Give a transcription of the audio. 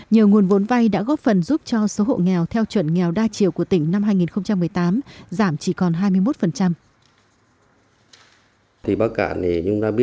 nhờ nguồn vốn vay đã góp phần giúp cho số hộ nghèo theo chuẩn nghèo đa chiều của tỉnh năm hai nghìn một mươi bốn